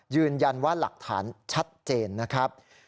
ยืนยันว่าหลักฐานชัดเจนนะครับ